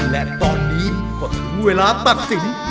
และตอนนี้ก็ถึงเวลาตัดสิน